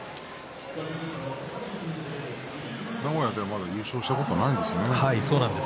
名古屋では優勝したことがないんですね。